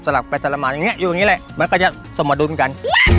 สลับไปสละมาอยู่อย่างนี้แหละมันก็จะสมดุลเหมือนกัน